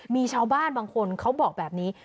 มีชาวบ้านบางคนเขาบอกแบบนี้